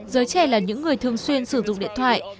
giới trẻ là những người thường xuyên sử dụng điện thoại